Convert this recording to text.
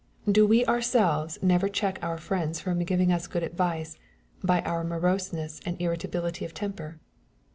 Do we ourselves never check our friends from giving us good advice, by our moroseness and irritability of temper